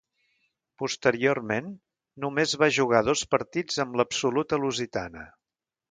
Posteriorment, només va jugar dos partits amb l'absoluta lusitana.